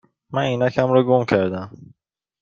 من عینکم را گم کرده ام.